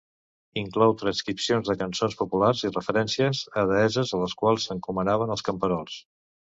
Inclou transcripcions de cançons populars i referències a deesses a les quals s'encomanaven els camperols.